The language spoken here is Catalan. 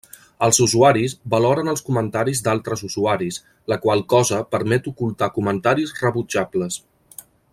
Els usuaris valoren els comentaris d'altres usuaris, la qual cosa permet ocultar comentaris rebutjables.